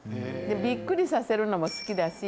ビックリさせるのも好きだし。